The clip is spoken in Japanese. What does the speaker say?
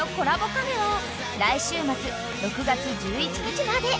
カフェは来週末６月１１日まで］